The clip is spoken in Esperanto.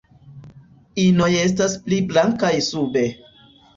Inoj estas pli blankaj sube.